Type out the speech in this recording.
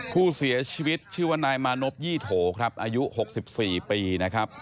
ผู้เสียชีวิตชื่อว่านายมานพยี่โถครับอายุ๖๔ปีนะครับ